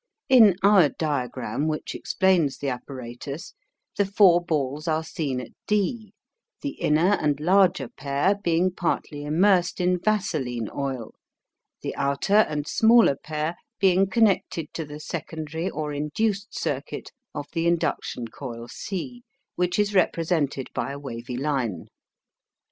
In our diagram, which explains the apparatus, the four balls are seen at D, the inner and larger pair being partly immersed in vaseline oil, the outer and smaller pair being connected to the secondary or induced circuit of the induction coil C, which is represented by a wavy line.